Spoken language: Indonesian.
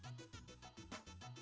kamu sempet eating